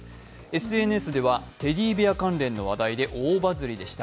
ＳＮＳではテディベア関連の話題で大バズりでした。